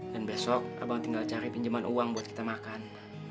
dan besok abang tinggal cari pinjaman uang buat kita makan